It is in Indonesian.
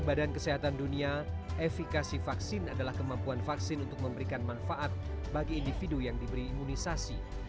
badan kesehatan dunia efekasi vaksin adalah kemampuan vaksin untuk memberikan manfaat bagi individu yang diberi imunisasi